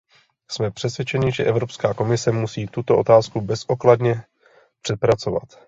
Jsme přesvědčeni, že Evropská komise musí tuto otázku bezodkladně přepracovat.